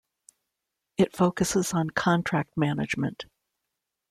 It focuses on contract management.